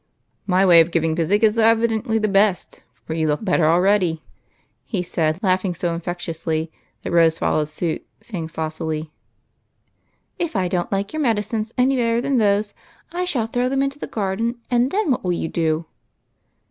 My way of giving physic is evidently the best, for you look better already," he said, laughing so infectiously that Rose followed suit, saying saucily, — "If I don't like your medicines any better than those, I shall throw them into the garden, and then what will you do